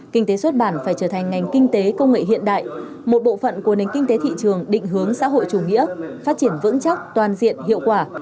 kinh tế xuất bản phải trở thành ngành kinh tế công nghệ hiện đại một bộ phận của nền kinh tế thị trường định hướng xã hội chủ nghĩa phát triển vững chắc toàn diện hiệu quả